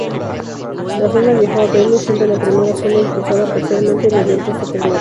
La sonda viajó a Venus, siendo la primera sonda impulsada parcialmente mediante esta tecnología.